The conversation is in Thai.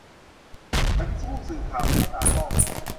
ฉันเป็นผู้สื่อข่าว ไม่ใช่ตากล้อง